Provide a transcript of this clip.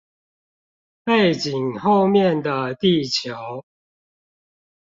背景後面的地球